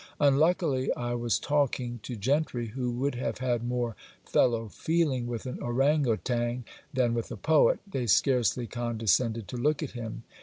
Uuluckily I was talking to gentry who would have had more fellow feeling with an Oran Outang than with a poet. They scarcely condescended to look at him.